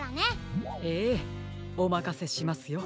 ええおまかせしますよ。